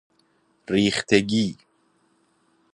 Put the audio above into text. ریختگی